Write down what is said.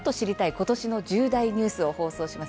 ことしの重大ニュース」を放送します。